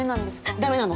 ダメなの。